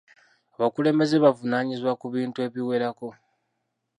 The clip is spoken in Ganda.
Abakulembeze bavunaanyizibwa ku bintu ebiwerako.